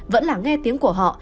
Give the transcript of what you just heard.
vẫn là nghe tiếng của họ